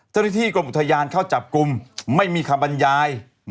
ทฤทธิกรถุรุทยานเข้าจับกลุ่มไม่มีคำบรรยาย